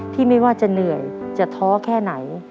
ไม่ว่าจะเหนื่อยจะท้อแค่ไหน